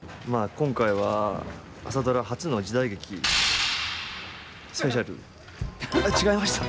今回は「朝ドラ」初の時代劇スペシャルあっ違いました？